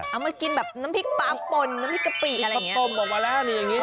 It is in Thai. เอามากินน้ำพริกปะป่นน้ำพริกกะปิกอะไรอย่างนี้